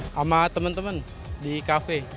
sama temen temen di cafe